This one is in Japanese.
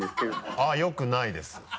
あっよくないです。